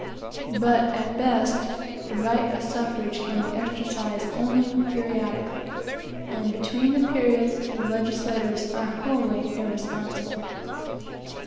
But, at best, the right of suffrage can be exercised only periodically; and between the periods the legislators are wholly irresponsible.